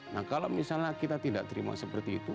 nah kalau misalnya kita tidak terima seperti itu